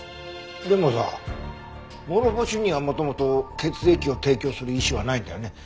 でもさ諸星には元々血液を提供する意思はないんだよね？